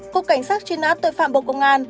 cục cảnh sát trùy ná tội phạm bộ công an